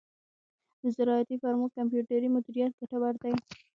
د زراعتی فارمو کمپیوټري مدیریت ګټور دی.